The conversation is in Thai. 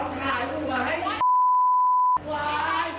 จอดดี